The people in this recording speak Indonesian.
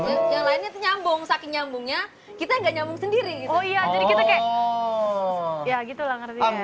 yang lainnya nyambung saking nyambungnya kita nggak nyambung sendiri oh iya jadi kita kayak